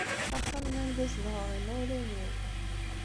Axxam-nni anda zedɣeɣ, n yimawlan-iw.